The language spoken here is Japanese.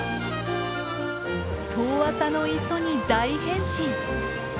遠浅の磯に大変身！